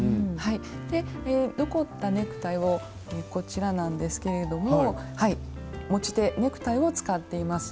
で残ったネクタイをこちらなんですけれども持ち手ネクタイを使っています。